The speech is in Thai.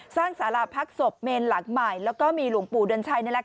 สร้างศาลาภักดิ์ศพเมนหลักใหม่แล้วก็มีหลวงปู่เดือนชัยนั่นแหละ